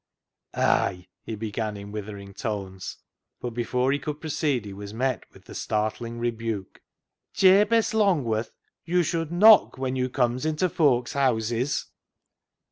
" Ay !" he began in withering tones. But 248 CLOG SHOP CHRONICLES before he could proceed he was met with the startling rebuke —" Jabez Longworth, you should knock when you comes into folk's houses."